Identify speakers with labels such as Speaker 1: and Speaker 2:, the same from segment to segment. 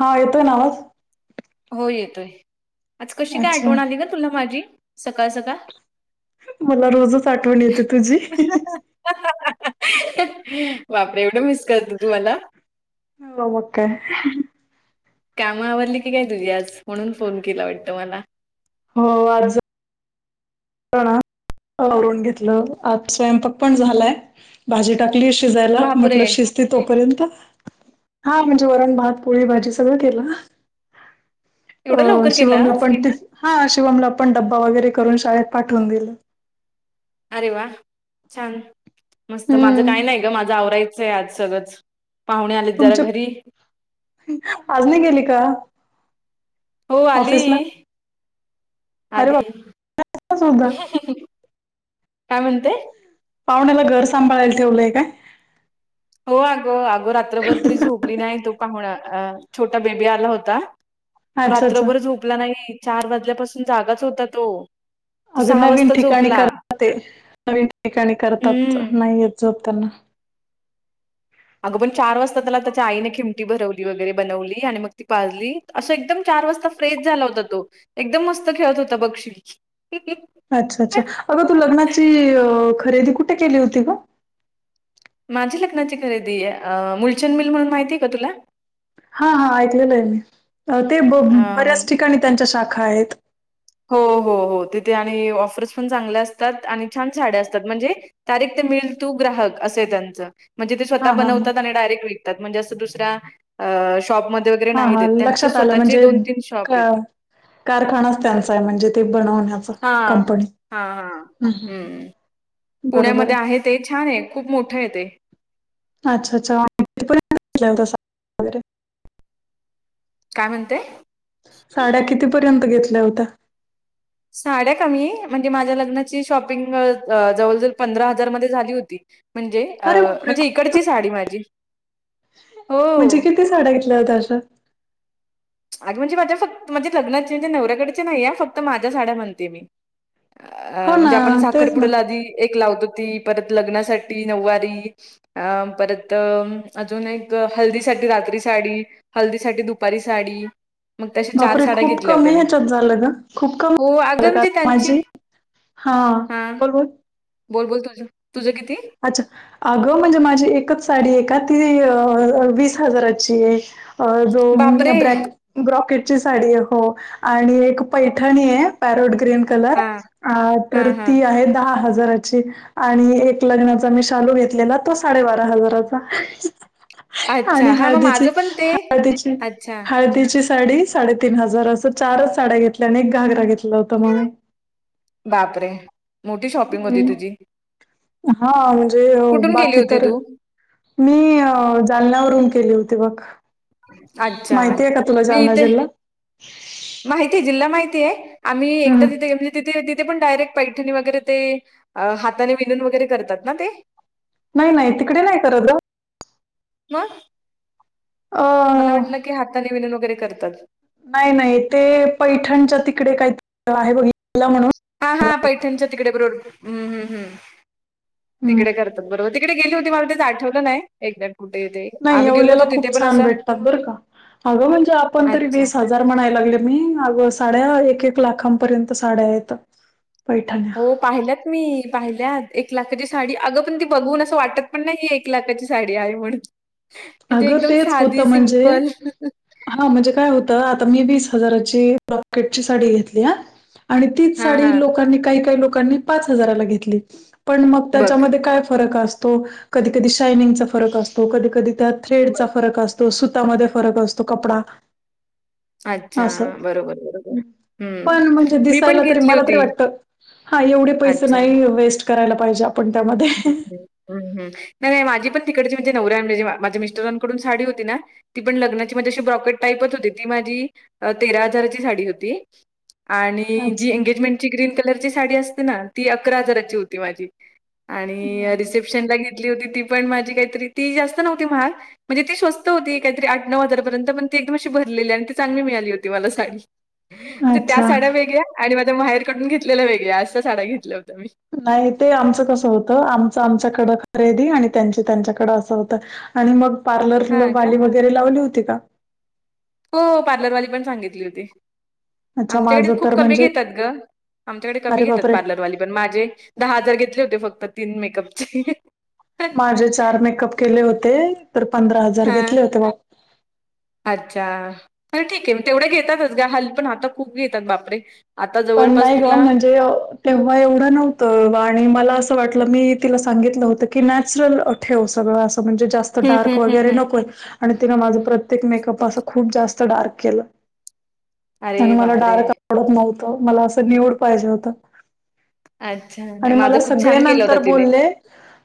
Speaker 1: हा येतोय ना आवाज
Speaker 2: हो येतोय आज कशी काय
Speaker 1: अच्छा
Speaker 2: आठवण आली ग तुला माझी सकाळ सकाळ
Speaker 1: मला रोजच आठवण येते तुझी हाह
Speaker 2: ह्ह्हहहह बापरे एवढं मिस करते तु मला
Speaker 1: हो मग काय
Speaker 2: काम आवरली की काय तुझी आज म्हणून फोन केला वाटतं मला.
Speaker 1: हो आज हो आवरून घेतलं आज स्वयंपाक पण झालाय. भाजी टाकली शिजायला
Speaker 2: बापरे!
Speaker 1: म्हटलं शिज ते तोपर्यंत हा म्हणजे वरण, भात, पोळी, भाजी सगळं केलं अ
Speaker 2: एवढं लवकर केला
Speaker 1: शिवमला
Speaker 2: आज?
Speaker 1: पण हा शिवमला पण डब्बा वगैरे करून शाळेत पाठवून दिलं.
Speaker 2: अरे वा! छान मस्त, माझं
Speaker 1: हम्म.
Speaker 2: काय नाही ग माझं आवरायचं आहे आज सगळंच पाहुणे आलेत जरा
Speaker 1: तुमच्या
Speaker 2: घरी
Speaker 1: आज नाही गेली का?
Speaker 2: हो आली
Speaker 1: ऑफिसला? अरे
Speaker 2: आली
Speaker 1: बाबा सुद्धा
Speaker 2: काय म्हणते?
Speaker 1: पाहुण्याला घर सांभाळायला ठेवलंय काय?
Speaker 2: हो अग अग रात्रभर तरी झोपली नाही तो पाहुून छोटा बेबी आला होता.
Speaker 1: अच्छा अच्छा
Speaker 2: रात्रभर झोपला नाही चार वाजल्यापासून जागाच होता तो. तो
Speaker 1: अग नवीन
Speaker 2: वाजता
Speaker 1: ठिकाणी
Speaker 2: झोपला.
Speaker 1: करतात, ते नवीन ठिकाणी करतात
Speaker 2: हम्म.
Speaker 1: नाही येत झोप त्यांना
Speaker 2: आग पण चार वाजता त्याला त्याच्या आईने खिमटी भरवली वगैरे बनवली आणि मग ती पाजली. असं एकदम चार वाजता फ्रेश झाला होता तो एकदम मस्त खेळत होता बघशील हह.
Speaker 1: अच्छा अच्छा अगं तू लग्नाची खरेदी कुठे केली होती ग?
Speaker 2: माझी लग्नाची खरेदी आहे मुलचंद मिल म्हणून माहितीय का तुला?
Speaker 1: हा हा ऐकलेलं आहे मी ते
Speaker 2: अ
Speaker 1: बऱ्याच ठिकाणी त्यांच्या शाखा आहेत.
Speaker 2: हो हो हो तिथे आणि ऑफर्स पण चांगल्या असतात आणि छान साड्या असतात म्हणजे तारीख ते मिळल तू ग्राहक असे त्यांचं म्हणजे ते स्वतः
Speaker 1: हा हा हा.
Speaker 2: बनवतात आणि डायरेक्ट विकता म्हणजे अस दुसऱ्या शॉप मदन वगैरे
Speaker 1: हा
Speaker 2: नाही
Speaker 1: हा
Speaker 2: देत त्यांचे
Speaker 1: लक्षात आलं
Speaker 2: स्वतःचे
Speaker 1: म्हणजे
Speaker 2: दोन तीन शॉप आहेत.
Speaker 1: क- कारखानाच त्यांचा आहे म्हणजे ते बनवण्याचा
Speaker 2: हां,
Speaker 1: कंपनी
Speaker 2: हां, हां.
Speaker 1: हम हम.
Speaker 2: हं. पुण्यामध्ये आहे ते छान आहे खूप मोठं आहे ते
Speaker 1: अच्छा अच्छा [unintelligible] वगैरे
Speaker 2: काय म्हणते
Speaker 1: साड्या कितीपर्यंत घेतल्या होत्या
Speaker 2: साड्या कमी म्हणजे माझ्या लग्नाची शॉपिंग जवळ जवळ पंधरा हजार मध्ये झाली होती म्हणजे अ
Speaker 1: अरे बापरे
Speaker 2: म्हणजे इकडची साडी माझी
Speaker 1: म्हणजे
Speaker 2: हो.
Speaker 1: किती साडा घेतल्या होता अशा
Speaker 2: अगे म्हणजे माझ्या फक्त माणजे लग्नाची म्हणज नव्याकडेचे नाही फक्त माझ्या साड्या म्हणते मी अ
Speaker 1: हो ना
Speaker 2: म्हणजे आपण साखर
Speaker 1: तेच ना
Speaker 2: पुड्याला आधी एक लावत होती परत लग्नासाठी नऊवारी अं परत अजून एक हल्दीसाठी रात्री साडी हल्दी साठी दुपारी साडी मग तशा चार
Speaker 1: बापरे
Speaker 2: साड्या
Speaker 1: खूप
Speaker 2: घेतल्या होत्या
Speaker 1: कमी
Speaker 2: मी
Speaker 1: ह्याच्यात झालं ग खूप कमी
Speaker 2: हो अगं
Speaker 1: झालं का
Speaker 2: म्हणजे त्यांची
Speaker 1: माझे हा बोल ब
Speaker 2: बोल बोल तुझं तुझं किती
Speaker 1: अच्छा अगं म्हणजे माझी एकच साडी आहे का ती वीस हजाराची आहे अ जो
Speaker 2: बापरे
Speaker 1: ब्रॅक ब्रॉकेटची साडी आहे हो आणि एक पैठणी आहे पॅरोट ग्रीन कलर
Speaker 2: हा हा
Speaker 1: तर
Speaker 2: हा
Speaker 1: ती आहे दहा हजाराची आणि एक लग्नाचा मी शालू घेतलेला तो साडेबारा हजाराचा आणि
Speaker 2: अच्छा हा मग
Speaker 1: हळदीची
Speaker 2: माझं पण ते
Speaker 1: हळदीची
Speaker 2: अच्छा
Speaker 1: हळदीची साडी साडेतीीन हजार असं चारच साड्या घेतल्या आणि एक घागरा घेतला होत म्ी
Speaker 2: बापरे मोठी शॉपिंग होती तुझी
Speaker 1: हम् हा म्हणजे
Speaker 2: कुठून गेली
Speaker 1: बाकी
Speaker 2: होती
Speaker 1: तर
Speaker 2: तू
Speaker 1: मी जालन्यावरून केले होती बघ
Speaker 2: अच्छा
Speaker 1: माहिती आहे का तुला जालना जिरला
Speaker 2: माहिती आहे जिल्हा माहितीय आहे आम्ही एकदा
Speaker 1: हम्म.
Speaker 2: तिथे तिथे तिथे पण डायरेक्ट पैठणी वगैरे ते हाताने विनून वगैरे करतात ना ते
Speaker 1: नाही नाही तिकडे नाही करत
Speaker 2: म
Speaker 1: अ,
Speaker 2: मला वाटलं की हाताने विलन वगैरे करतात
Speaker 1: नाही नाही ते पैठणच्या तिकडे काही आहे बघितलं म्हणून
Speaker 2: हा हा पैठणच्या तिकडे ब्मम्म्
Speaker 1: हम्म.
Speaker 2: तिकडे कर बरोबर तिकडे गेली होती मला तेच आठवलं नाही एक जण कुठेेते
Speaker 1: नाही येवल्याला खूप छान भेटतात बरं का अगं म्हणजे आपण तरी
Speaker 2: अच्छा
Speaker 1: वीसज ह जार म्हणाय लागले मी अग साड्या एक एक लाखांपर्यंत साड्या आहेत बैठणी
Speaker 2: हो पाहिल्यात मी पाहिल्यात एक लाखाची साडी अगं पण ती बघून असं वाटत पण नाही एक एक लाखची साडी आहे म्हणून म्हणजे
Speaker 1: अगं
Speaker 2: एकदम साधी सिंपल
Speaker 1: हा म्हणजे काय होतं आता मी वीस हजाराची रॉकेटची साडी घेतली ह आणि तीच
Speaker 2: हा हा
Speaker 1: साडी लोकांनी काही काही लोकांनी पाच हजाराला घेतली पण मग
Speaker 2: बघ
Speaker 1: त्याच्यामध्ये काय फरक असतो कधी कधी शायनिंगचा फरक असतो कधी कधी त्यात
Speaker 2: बघ
Speaker 1: थ्रेडचा फरक असतो सुतामध्ये फरक असतो कपडा
Speaker 2: अच्छा
Speaker 1: असं.
Speaker 2: बरोबर बरोबर हं.
Speaker 1: पण म्हणजे
Speaker 2: मी पण
Speaker 1: दिसायला तरी
Speaker 2: घेतली
Speaker 1: मला तरी
Speaker 2: होती.
Speaker 1: वाटत हा एवढे पैसे
Speaker 2: अच्छा.
Speaker 1: नाही वेस्ट करायला पाहिजे आपण त्यामध्ये
Speaker 2: हम् हम नाही नाही माझी पण तिकडची म्हणजे नवऱ्यान म्हणजे माझ्या मिस्टरांकडून साडी होती ना ती पण लग्नाची माज अशी ब्रॉकेट टाईपच होती ती माझी तेरा हजाराची साडी होती आणि जी
Speaker 1: अच्छा.
Speaker 2: एंगेजमेंटची ग्रीन कलरची साडी असते ना ती अकरा हजाराची होती माझी
Speaker 1: हं,
Speaker 2: आणि रिसेप्शन ला घेतली होती ती पण माझी काहीतरी ती जास्त नव्हती महाग म्हणजे ती स्वस्त होती काहीतरी आठ नऊ हजारपर्यंत पण ती एकदम अशी भरलेली आणि ती चांगली मिळाली होती मला साडी
Speaker 1: हं.
Speaker 2: म्हणे त्या
Speaker 1: अच्छा.
Speaker 2: साड्या वेगळ्या आणि माझ्या माहेर कढून घेतलेल्या वेगळ्या असा साड्या घेतल्या होत्या मी
Speaker 1: नाही ते आमचं कसं होतं आमचं आमच्याकडं खरेदी आणि त्यांची त्यांच्याकडं असं होतं आणि मग पार्लरला
Speaker 2: हां का?
Speaker 1: बाली वगैरे लावली होती का
Speaker 2: हो पार्लरवाली पण सांगितली होती
Speaker 1: अच्छा
Speaker 2: आमच्याकडे
Speaker 1: माझं
Speaker 2: खूप
Speaker 1: तर
Speaker 2: कमी
Speaker 1: म्हणजे
Speaker 2: घेतात ग आमच्याकडे कमी
Speaker 1: अरे
Speaker 2: घेतात
Speaker 1: बापरे!
Speaker 2: पार्लरवाली पण माझे दहा हजार घेतले होते फक्त तीन मेकअपचे
Speaker 1: माझे चार मेकअप केले होते तर पंधरा हजार
Speaker 2: हां.
Speaker 1: घेतले होते
Speaker 2: अच्छा खर ठीक आहे मग तेवढ्या घेतातच ग हल् पण आता खूप घेतात बापरे आता
Speaker 1: पण
Speaker 2: जवळपास
Speaker 1: नाही ग
Speaker 2: तुला
Speaker 1: म्हणजे तेव्हा एवढं नव्हतं आणि मला असं वाटलं मी तिला सांगितलं होतं की नॅचरल ठेवू सगळं असं म्हणजे जास्त
Speaker 2: हं, हं,
Speaker 1: डार्क
Speaker 2: हं,
Speaker 1: वगैरे
Speaker 2: हं.
Speaker 1: नकोय आणि तिनं माझं प्रत्येक मेकअप असं खूप जास्त डार्क केलं
Speaker 2: अरे
Speaker 1: आणि मला
Speaker 2: बापरे!
Speaker 1: डार्क आवडत नव्हतं मला असं निवड पाहिजे होत
Speaker 2: अच्छा.
Speaker 1: आणि
Speaker 2: नाही माझं
Speaker 1: मला
Speaker 2: खूप
Speaker 1: सगळे
Speaker 2: छान केलं होतं
Speaker 1: नंतर
Speaker 2: तिने.
Speaker 1: बोलले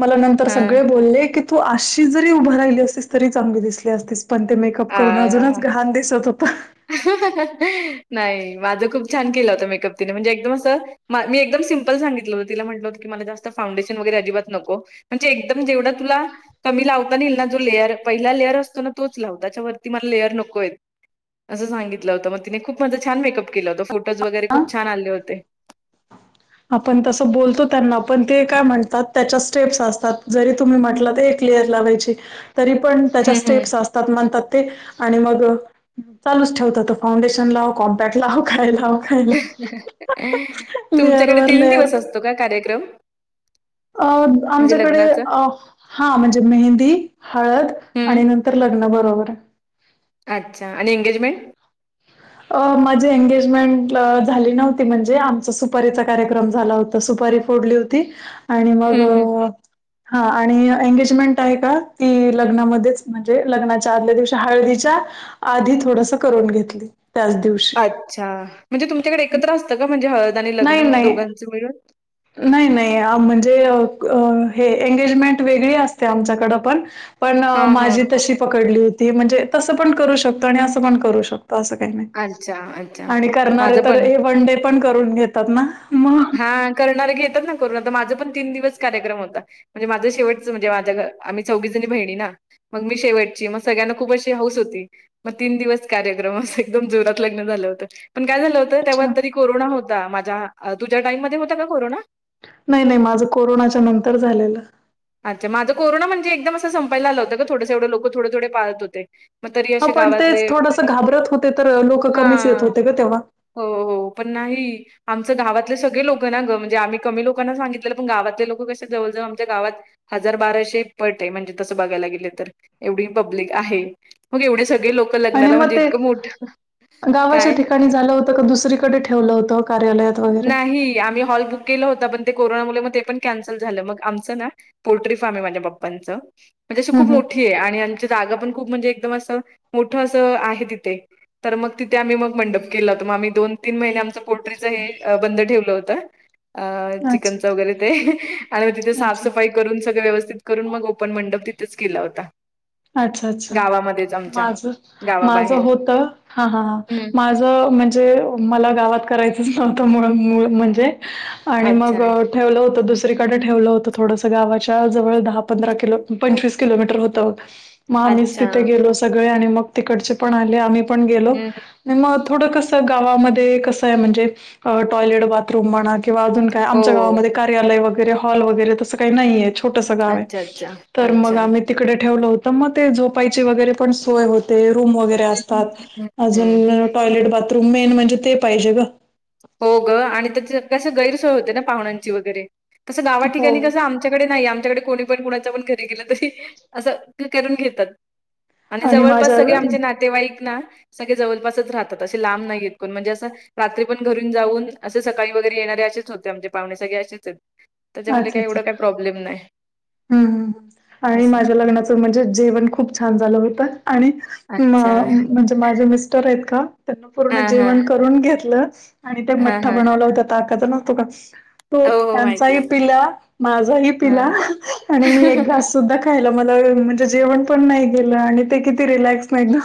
Speaker 1: मला नंतर
Speaker 2: हां.
Speaker 1: सगळे बोलले कि तू आशी जरी उभं राहिली असस तरी चांगली दिसली असतीस पण ते अप करून
Speaker 2: आ
Speaker 1: अजूनच घहण दिसत होता
Speaker 2: नाही माझं खूप छान केलं होत मेकअप तिने म्हणजे एकदम असं मी एकदम सिंपल सांगितलं होत तिला म्हटलंतं क मला जास्त फाउंडेशन वगैर अजिबात नो म्हणजे एकदम जेवढा तुला कमी लावता येईल ना जो लेअर पहिला लेअर असतो ना तोच लावत लालेको अस सांगित होत मग त ख छ मेकअप केला हो फोज वगैर खूप छान आले होते
Speaker 1: आपण तसं बोलतो त्यांना पण ते काय म्हणतात त्याच्या स्टेप्स असतात जरी तुम्ही म्हटलं एक क्लिअर लावायची तरी पण त्याच्या
Speaker 2: हं हं.
Speaker 1: स्टेप्स असतात म्हणतात ते आणि मग चालूच ठेवत तो फांडेशन लाव कॉम्पॅक्ट लाव काय लाव काय लाव लेअर
Speaker 2: तुमच्याकडे
Speaker 1: वर
Speaker 2: तीन
Speaker 1: लेअर
Speaker 2: दिवस असतो का कार्यक्रम
Speaker 1: अ
Speaker 2: म्हणजे
Speaker 1: आमच्याकडे
Speaker 2: लग्नाचा?
Speaker 1: अ हा म्हणजे मेहंदी हळद
Speaker 2: हं.
Speaker 1: आणि नंतर लग्न बरोबर आहे
Speaker 2: अच्छा आणि एंगेजमेंट
Speaker 1: अ माझी एंगेजमेंट झाली नव्हती म्हणजे आमचा सुपारीचा कार्यक्रम झाला होता सुपारी फोडली होती आणि मग
Speaker 2: हं हं.
Speaker 1: हा आणि एंगेजमेंट आहे का ती लग्नामध्येच म्हणजे लग्नाच्या आदल्या दिवशी हळदीच्या आधी थोडस करून घेतली त्याच दिवशी
Speaker 2: अच्छा म्हणजे तुमच्याकडे एकत्र असतं का म्हणजे हळद आणि लग्न
Speaker 1: नाही,
Speaker 2: म्हणजे
Speaker 1: नाही
Speaker 2: दोघांच मिळून
Speaker 1: नाही नाही म्हणजे हे एंगेजमेंट वेगळी असते आमच्याकड पण पण
Speaker 2: हां, हां.
Speaker 1: माझी तशी पकडली होती म्हणजे तसं पण करू शकतो आणि असं पण करू शकतो असं काही नाही
Speaker 2: अच्छा, अच्छा.
Speaker 1: आणि करणारे
Speaker 2: माझं
Speaker 1: तर
Speaker 2: पण
Speaker 1: हे वन डे पण करून घेतात ना मग
Speaker 2: हा करणारे घेतात ना करून आता माझा पण तीन दिवस कार्यक्रम होता म्हणजे माझं शेवटच म्हणे माझ्या घ आम्ही चौघी जणी बहिणी ना मग मी शेवटची मग सगळ्यांना खूप अशी हौस होती मग तीन दिवस कार्यक्रम अस एकदम जोरात लग्न झालं होतं पण काय झालं होतं तेव्हा
Speaker 1: अच्छा.
Speaker 2: तरी कोरोना होता माझ्या तुझ्या टाईम मध्ये होता का कोरोना
Speaker 1: नाही नाही माझं कोरोनाच्या नंतर झालेलं
Speaker 2: अच्छ माझं कोरो म्हणे एकदम अस संपायलालं होतं ोडंवढं लोक थो थो पात होते मग तरी
Speaker 1: ह
Speaker 2: असे
Speaker 1: पण तेच
Speaker 2: गावातले
Speaker 1: थोडंसं घाबरत होते तर लोक कमीच
Speaker 2: हां.
Speaker 1: येत होते ग तेव्हा
Speaker 2: हो हो पण नाही आमच गवातले सगळे लोक ना गंणजेम्ही कमी लोकांना सांगितलं पण गावातले लोक कशा जवळजव आमच्या गावात हजार बाराशे पट आहे म्हणजे तसं बघायला गेले तर एवढी पब्लिक आहे मग एवढे सगळे लोक
Speaker 1: आणि
Speaker 2: लग्नाला
Speaker 1: मग
Speaker 2: म्हणजे
Speaker 1: ते
Speaker 2: इतकं मोठं
Speaker 1: गावाच्या
Speaker 2: काय?
Speaker 1: ठिकाणी झालं होतं का दुसरीकडे ठेवलं होतं कार्यालयात वगैर
Speaker 2: नाही आमही हॉल केलं होता पण ते कोरोनामुळे मग ते पण कॅन्सल झालं मग आमचं ना पोल्ट्री फार्म आहे माझ्याप्पांच म्हणजे
Speaker 1: हं,
Speaker 2: खूप
Speaker 1: हं.
Speaker 2: मोठी आणि यांची जागा पण खूप म्हणजे एकदम असं मोठं असं आहे तिथे तर मग तिथे आम्ही मग मंडप केला होता मगम्ही दोन तीन महिने आमचं पोल्टट्रीचं बंद ठेवलं होतं अ
Speaker 1: अच्छा,
Speaker 2: चिकनचं वगैरे ते आणि मग तिथे
Speaker 1: अच्छा,
Speaker 2: साफसफाई ून सगं व्यवस्थित करून मग ओपन मंडप तिथेच केला होता
Speaker 1: अच्छा अच्छा
Speaker 2: गावामध्येच आमच्या
Speaker 1: माझ माझ
Speaker 2: गावाबाहेर
Speaker 1: होतं हा हा
Speaker 2: हम्म.
Speaker 1: माझ माझ म्हणजे मला गावात करायचंच नव्हतं म्हणजे आणि
Speaker 2: अच्छा
Speaker 1: मग ठेवलं होतं दुसरीकडें ठेवलं होतं थोडसं गावाच्या जवळ दहा पंधरा किलो पंचवीस किलोमीटर होतं [inaudible] मग आम्हीच
Speaker 2: अच्छा
Speaker 1: तिथे गेलो सगळे आणि मग तिकडचे पण आले आम्ही पण गेलो
Speaker 2: हम्म.
Speaker 1: [inaudible] मग थोडं कसं गावामध्ये कसं आहे म्हणजे टॉयलेट बाथरूम म्हणा किंवा अजून काय
Speaker 2: हो
Speaker 1: आमच्या गावामध्ये कार्यालय वगैरे हॉल वगैरे तसं काही नाही आहेच [inaudible] छोटस गाव आहे
Speaker 2: अच्छा अच्छा
Speaker 1: [inaudible] तर मग
Speaker 2: अच्छा
Speaker 1: आम्ही तिकडे ठेवलं होतो तर मग ते झोपायची वगैरे पण सोय होते रूम वगैरे असतात
Speaker 2: हम्म
Speaker 1: [inaudible] अजून टॉयलेट बाथरूम मेन म्हणजे ते पाहिजे ग [inaudible]
Speaker 2: हो ग आणि त्या कस गैरसोय होते ना पाहुण्यांची वगैरे [inaudible] कसं गावा ठिकाणी
Speaker 1: हो.
Speaker 2: कसं आम आमच्याकडे नाही आमच्याकडे कोणी पण कुणाच पण घरी गेलं तरी असं करून घेतात [inaudible] आणि
Speaker 1: माझा
Speaker 2: जवळपास सगळे आमचे ना
Speaker 1: अच्छा
Speaker 2: जव राात लां नाहीण म्हण [inaudible] आपण घरून जाऊन असं सकाळी वगैरे येणाऱ अशेच होत्या म्हणजे पाहण्यासाठीग अ असेच आहेत [inaudible] [inaudible] त्याच्यामुळे काही
Speaker 1: अच्छा
Speaker 2: एवढं काही प्रॉब्लेम नाही
Speaker 1: हम्म आणि
Speaker 2: असं
Speaker 1: माझ्या [inaudible] लग्नाचं म्हणजे जेवण खूप छान झालं होतं आणि अ
Speaker 2: अच्छा
Speaker 1: म्हणजे माझे मिस्टर आहेत का त्यांना पूर्ण
Speaker 2: हां हां
Speaker 1: जेवण करून घेतलं [inaudible] आणि ते
Speaker 2: हां
Speaker 1: मठ्ठ
Speaker 2: हां
Speaker 1: बनवलं होतं ताकाचं नतो का [inaudible] तो
Speaker 2: हो हो माहिती
Speaker 1: त्यांचाही पिला माझाही
Speaker 2: आहे
Speaker 1: पिला आणि मी
Speaker 2: हां
Speaker 1: एक घास [inaudible] ा खाय मला म्हणजे जेवण पण नाही गेलं आणि ते किती रिलॅक्स नाही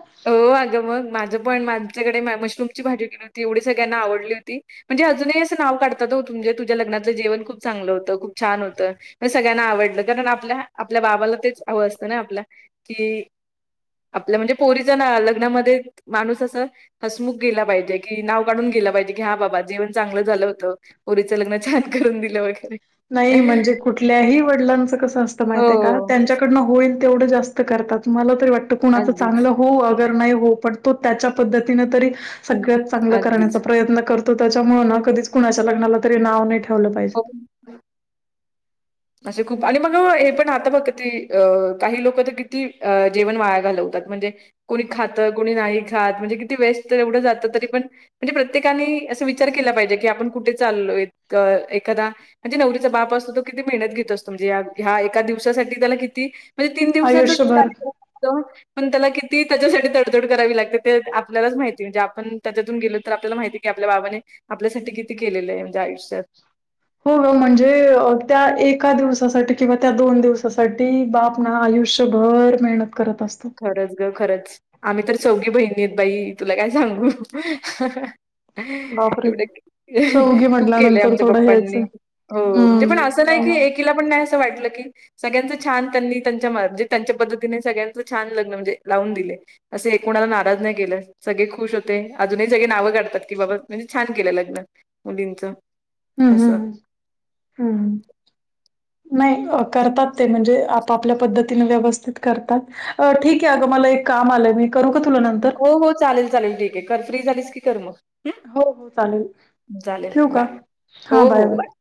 Speaker 1: [inaudible]
Speaker 2: अ अगं मग माझं पण माझ्याकडे मशरूम ची भाजी केली होती एवढी सगळ्यांना आवडली होती [inaudible] म्हणजे अजूनही असं नाव काढतात हो तुजे तुझ्या लग्नाचलं जेव खूप चगलं होत खूप छान होतं [inaudible] म सगळ्यांना आवडलं कारण आपल्या आपल्या बाबाला तेच हवं असतं ना आपल्या कि [inaudible] [inaudible] आपलं म्हणजे पोरीचा ना लग्नामध्ये माणूस असं हसमुख गेला पाहिजे की नाव काढून गेला पाहिजे की हा बाबा जेवन चांगलं झालं होतं [inaudible] रीचं लग्न छान करून दिलं वगैरे [inaudible]
Speaker 1: नाही म्हणजे कुठल्याही वडिलांचं कसं असतं माहित आहे का
Speaker 2: हो,
Speaker 1: त्यांच्याकडनं होईल तेवढ जास्त करतात मला तरी वाट कुणाच
Speaker 2: अगदीच,
Speaker 1: चांगलं हो त्या प चण्या
Speaker 2: अगदीच.
Speaker 1: प्रयन [inaudible] त्याच्या म कधीच कुणाच्या लग्नाला तरी नाव नाही ठेवलं पाहिजे.
Speaker 2: हो [inaudible] असं खूप आणि मग हे पण आता फक्त ती अ काही लोक तर किती जेवण वाया घालवतात म्हणजे [inaudible] कोणी खातं कोणी नाही खात म्हणजे किती वेस्ट तर एवढं जात तरी पण [inaudible] म्हणजे प्रत्येकाने अस विचार केला पाहिजे की आपण कुठे चालो [inaudible] एादा म्हणजे नवरीचा बाप असतो तो किती मेहनत घेत असतो म्हणजे ह्या एका दिवसासाठी त्याला किती [inaudible] म्हणजे तीन दिवसातच
Speaker 1: आयुष्यभर
Speaker 2: कार्यक्रम होतो [inaudible] पण त्याला किती त्याच्यासाठी तडतोड करावी लागते ते आपल्यालाच माहिती म्हणजे आपण त्याच्यातून गेलो तर आपल्याला माहिती [inaudible] की आपल्या बाबाने [inaudible] आपल्यासाठी किती केलेलं आहे म्हणजे आयुष्यात
Speaker 1: [inaudible] हो ग म्हणजे त्या एका दिवसासाठी किंवा त्या दोन दिवसासाठी बापणा आयुष्यभर मेहनत करत असतो
Speaker 2: [inaudible]
Speaker 1: [inaudible]
Speaker 2: खरंच ग खरंच आम्ही तर चौघी बहिणी आहेत बाई तुला काय सांगू [inaudible]
Speaker 1: बापरे
Speaker 2: एवढ
Speaker 1: चौघी
Speaker 2: खूप केलं
Speaker 1: म्हटल्यानंतर
Speaker 2: आमच्या
Speaker 1: थोडं हेच
Speaker 2: पप्पांनी
Speaker 1: आहे.
Speaker 2: [inaudible] हो म्हणजे पण
Speaker 1: हम्म
Speaker 2: असं नाही की
Speaker 1: हम्म
Speaker 2: एक पण नाही असं वाटलं की [inaudible] सगळ्यांच छान त्यांनी त्यांच्याे त्यांच्या पद्धतीने सगळ्यां [inaudible] त छान लग्न म्हणजे लावून दिले [inaudible] असे एक क कोणाला नाराज नाही केलं सगळे खुश होते अजूनही सगळे नावं काढ की बाबा म्हणजे छान केल्या लग्न मुलींच [inaudible]
Speaker 1: हम्म [inaudible] हम् हम हम्
Speaker 2: [inaudible]
Speaker 1: नाही करतात ते म्हणजे आपापल्या पद्धतीने व्यवस्थित करतात ठीक आहे अगं मला एक [inaudible] काम आलं मी करू का तुला नंतर?
Speaker 2: हो हो चालेल चालेल ठीक आहे कर फ्री झालीस की कर मग [inaudible]
Speaker 1: हो, हो, चालेल.
Speaker 2: हम्
Speaker 1: ठेवू
Speaker 2: चालेल
Speaker 1: का?
Speaker 2: बाय हो हो बाय.